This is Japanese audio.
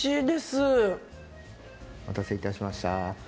お待たせいたしました。